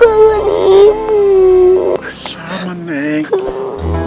aku kaget ibu